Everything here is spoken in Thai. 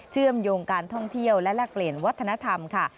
เชื่อมโยงการท่องเที่ยวและแลกเปลี่ยนวัฒนธรรมค่ะ